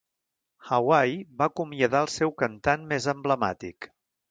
Hawaii va acomiadar el seu cantant més emblemàtic.